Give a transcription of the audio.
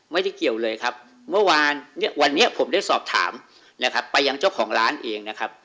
ไม่ได้เกี่ยวเลยครับเมื่อวานเนี่ยวันนี้ผมได้สอบถามนะครับไปยังเจ้าของร้านเองนะครับ